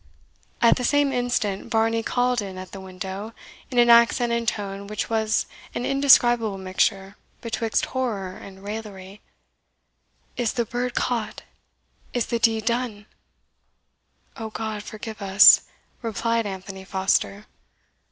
At the same instant, Varney called in at the window, in an accent and tone which was an indescribable mixture betwixt horror and raillery, "Is the bird caught? is the deed done?" "O God, forgive us!" replied Anthony Foster.